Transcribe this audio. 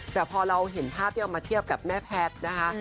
แต่พอเราเห็นภาพที่เอามาเทียบกับแม่แพทย์นะคะ